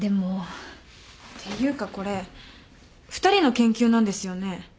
っていうかこれ２人の研究なんですよね？